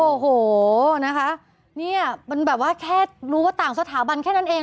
โอ้โหนะคะเนี่ยมันแบบว่าแค่รู้ว่าต่างสถาบันแค่นั้นเอง